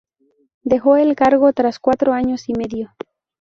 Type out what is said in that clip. Dejó el cargo tras cuatro años y medio.